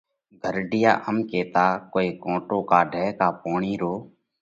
گھرڍِيئا ام ڪيتا: ڪوئي ڪونٽو ڪاڍئہ ڪا پوڻِي رو